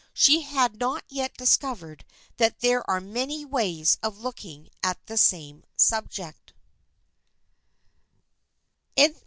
She had not yet discovered that there are many ways of looking at the same subject.